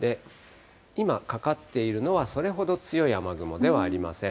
今、かかっているのはそれほど強い雨雲ではありません。